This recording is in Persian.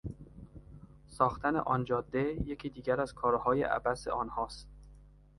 ساختن آن جاده یکی دیگر از کارهای عبث آنهاست.